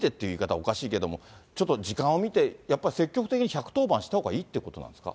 おかしいけども、ちょっと時間を見て、やっぱり積極的に１１０番したほうがいいっていうことなんですか。